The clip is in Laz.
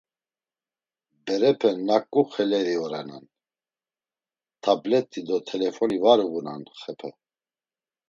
Berepe naǩu xeleri orenan, tablet̆i do telefoni var uğunan xepe.